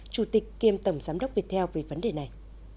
chủ tịch kiêm tổng giám đốc viettel về vấn đề này